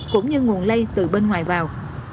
cũng như nguồn lây từ bên ngoài vào